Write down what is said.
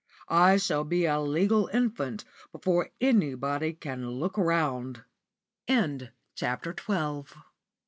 I shall be a legal infant before anybody can look round." *CHAPTER XIII.